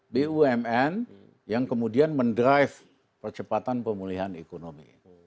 bumn yang kemudian mendrive percepatan pemulihan ekonomi